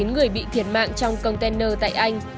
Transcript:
ba mươi chín người bị thiệt mạng trong container tại anh